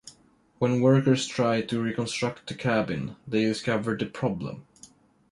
When workers tried to reconstruct the cabin, they discovered the problem.